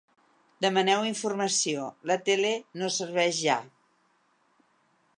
Demaneu informació, la tele no serveix ja.